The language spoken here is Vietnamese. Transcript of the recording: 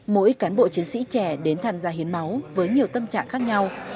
mỗi cán bộ chiến sĩ trẻ đến tham gia hiến máu với nhiều tâm trạng khác nhau